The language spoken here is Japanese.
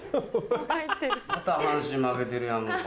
また阪神負けてるやんか。